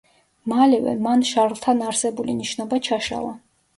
მალევე, მან შარლთან არსებული ნიშნობა ჩაშალა.